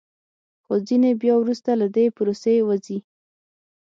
خو ځینې بیا وروسته له دې پروسې وځي